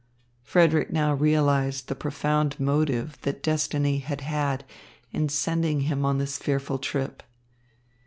Frederick now realised the profound motive that destiny had had in sending him on his fearful trip.